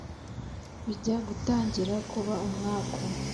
Bijya gutangira kuba umwaku